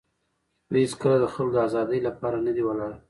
دوی هېڅکله د خلکو د آزادۍ لپاره نه دي ولاړ.